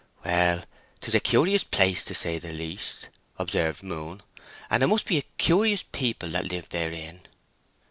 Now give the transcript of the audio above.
"Well, 'tis a curious place, to say the least," observed Moon; "and it must be a curious people that live therein."